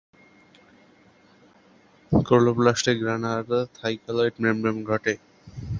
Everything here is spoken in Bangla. দাগনভূঞা অঞ্চলের ভূ-প্রকৃতি ও ভৌগোলিক অবস্থান এই অঞ্চলের মানুষের ভাষা ও সংস্কৃতি গঠনে ভূমিকা রেখেছে।